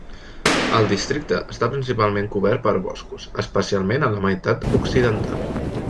El districte està principalment cobert per boscos, especialment en la meitat occidental.